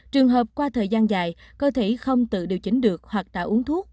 trường hợp qua thời gian dài cơ thể không tự điều chỉnh được hoặc tạo uống thuốc